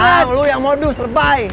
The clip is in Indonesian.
ah lu yang modus terbaik